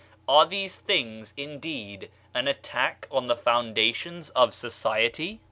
Are these things indeed an attack on the foundations of society?